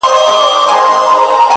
څومره له حباب سره ياري کوي!